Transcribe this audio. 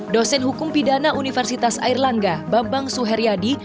dosen hukum pidana universitas airlangga bambang suheryadi